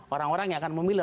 orang orang yang akan memilih